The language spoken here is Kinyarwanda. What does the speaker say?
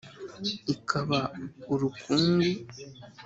ikaba urukungu.